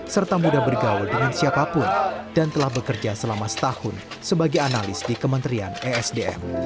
serta mudah bergaul dengan siapapun dan telah bekerja selama setahun sebagai analis di kementerian esdm